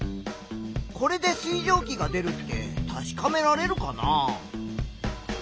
これで水蒸気が出るって確かめられるかな？